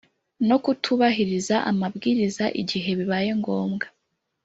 No kutubahiriza amabwiriza igihe bibaye ngombwa